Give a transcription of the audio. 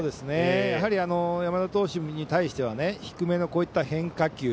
やはり山田投手に対しては低めの変化球。